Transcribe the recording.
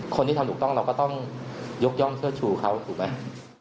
คนที่ทำถูกต้องเราก็ต้องยกย่องเสื้อชูเขาถูกไหม